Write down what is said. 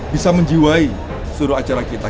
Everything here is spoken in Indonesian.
bisa menjiwai seluruh acara kita